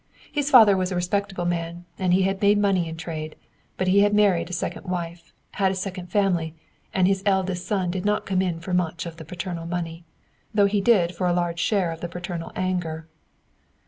His father was a respectable man, and had made money in trade, but he had married a second wife, had a second family, and his eldest son did not come in for much of the paternal money, though he did for a large share of the paternal anger.